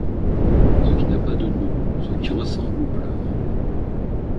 Ce qui n’a pas de nom, ce qui ressemble aux pleurs ;